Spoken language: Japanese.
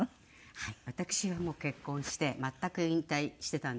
私はもう結婚して全く引退してたんですね。